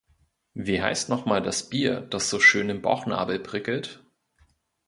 Wie heißt nochmal das Bier was so schön im Bauchnabel prickelt?